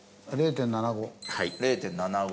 ０．７５。